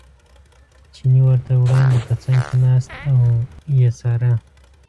چیني ورته وړاندې په څنګ کې ناست او یې څاره.